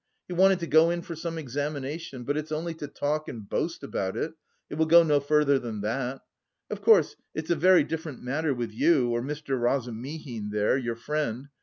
He wanted to go in for some examination, but it's only to talk and boast about it, it will go no further than that. Of course it's a very different matter with you or Mr. Razumihin there, your friend.